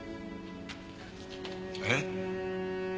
えっ？